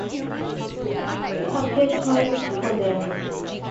He appeared twice for them.